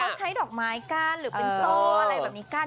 เขาใช้ดอกไม้กั้นหรือเป็นโซ่อะไรแบบนี้กั้น